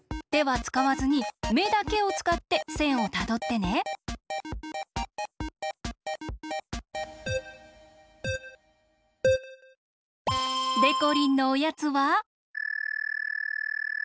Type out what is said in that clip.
てはつかわずにめだけをつかってせんをたどってね。でこりんのおやつは。